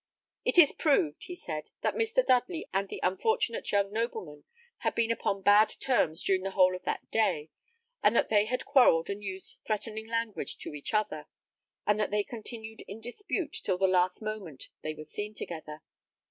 "It is proved," he said, "that Mr. Dudley and the unfortunate young nobleman had been upon bad terms during the whole of that day; that they had quarrelled, and used threatening language to each other; and that they continued in dispute till the last moment they were seen together.